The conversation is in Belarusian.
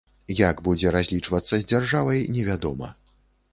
Як будзе разлічвацца з дзяржавай, не вядома.